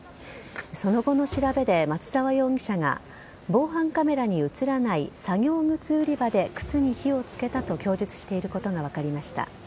その後の調べで松沢容疑者が防犯カメラに映らない作業靴売り場で靴に火をつけたと供述していることが分かりました。